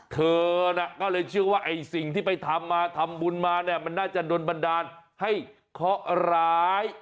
เธอน่ะก็เลยเชื่อว่าไอ้สิ่งที่ไปทำมาทำบุญมาเนี่ยมันน่าจะโดนบันดาลให้เคาะร้าย